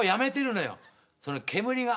その煙が。